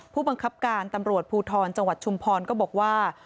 ผู้บังคับการตำรวจภูทรจังหวัดชุมพรก็บอกว่า